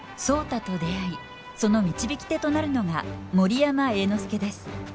壮多と出会いその導き手となるのが森山栄之助です。